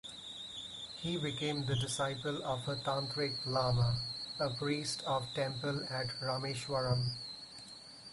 He became the disciple of a Tantric lama, a priest of temple at Rameswaram.